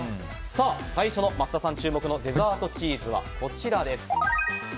最初の桝田さん注目のデザートチーズはこちらです。